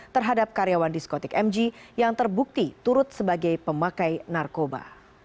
terhadap karyawan diskotik mg yang terbukti turut sebagai pemakai narkoba